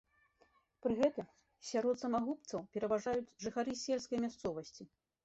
Пры гэтым сярод самагубцаў пераважаюць жыхары сельскай мясцовасці.